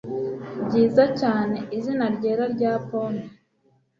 Byiza cyane Izina ryera rya pome